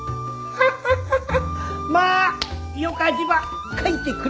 ハハハハ。